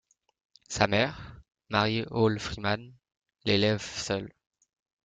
Sa mère, Mary Hall Freeman, l'élève seule.